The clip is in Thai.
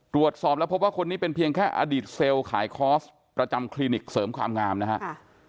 ตรวจสอบแล้วพบว่าคนนี้เป็นเพียงแค่อดีตเซลล์ขายคอร์สประจำคลินิกเสริมความงามนะครับ